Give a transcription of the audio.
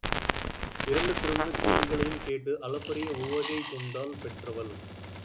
இரண்டு திருமணச் செய்திகளையும் கேட்டு அளப்பரிய உவகை கொண்டாள் பெற்றவள்.